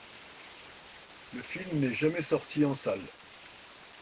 Le film n'est jamais sorti en salles.